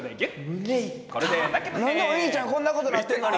何でお兄ちゃんこんなことなってんのに。